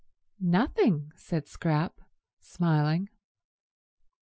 "Nothing," said Scrap, smiling.